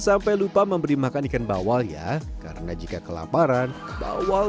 saja berpengaruh untuk ikan bawal yang berkualitas yang terkenal dengan kebersihan kolam selain makanan